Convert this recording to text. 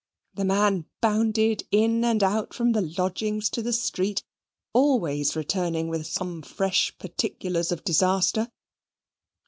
The man bounded in and out from the lodgings to the street, always returning with some fresh particulars of disaster.